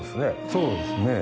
そうですね。